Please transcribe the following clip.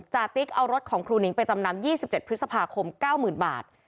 ติ๊กเอารถของครูหนิงไปจำนำ๒๗พฤษภาคม๙๐๐บาท